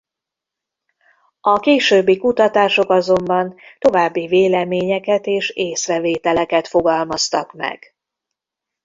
A későbbi kutatások azonban további véleményeket és észrevételeket fogalmaztak meg.